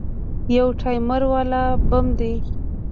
يو ټايمر والا بم دى.